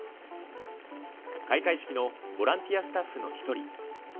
開会式のボランティアスタッフの一人。